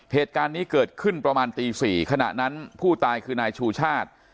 เหตุการณ์นี้เกิดขึ้นประมาณตี๔ขณะนั้นผู้ตายคือนายชูชาติ